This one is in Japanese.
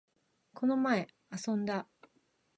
この前、遊んだ